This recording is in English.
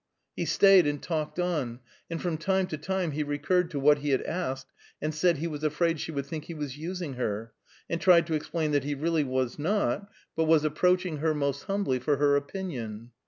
He stayed and talked on, and from time to time he recurred to what he had asked, and said he was afraid she would think he was using her, and tried to explain that he really was not, but was approaching her most humbly for her opinion.